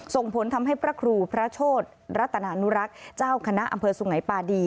ส่งผลทำให้พระครูพระโชธรัตนานุรักษ์เจ้าคณะอำเภอสุงัยปาดี